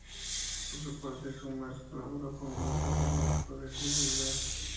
Por su parte, Summers colaboró con grupos de rock progresivo y jazz.